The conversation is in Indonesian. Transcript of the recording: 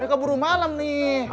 ini keburu malam nih